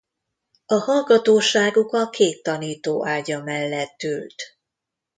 A hallgatóságuk a két tanító ágya mellett ült.